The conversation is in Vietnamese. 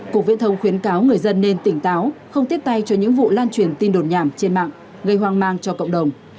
cục viễn thông khuyến cáo người dân nên tỉnh táo không tiếp tay cho những vụ lan truyền tin đồn nhảm trên mạng gây hoang mang cho cộng đồng